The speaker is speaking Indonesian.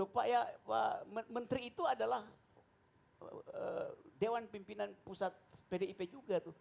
pak ya menteri itu adalah dewan pimpinan pusat pdip juga